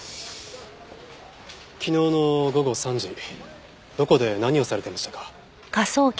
昨日の午後３時どこで何をされていましたか？